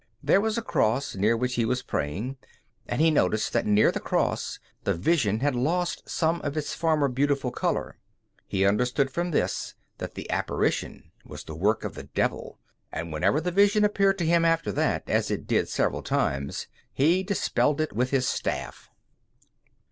There was a cross near which he was praying, and he noticed that near the cross the vision had lost some of its former beautiful color. He understood from this that the apparition was the work of the devil, and whenever the vision appeared to him after that, as it did several times, he dispelled it with his staff.